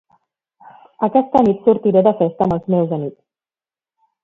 Aquesta nit sortiré de festa amb els meus amics.